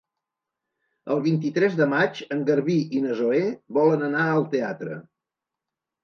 El vint-i-tres de maig en Garbí i na Zoè volen anar al teatre.